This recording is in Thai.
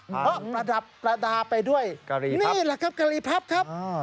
ประดับประดาไปด้วยกะหรี่พับนี่แหละครับกะหรี่พับครับ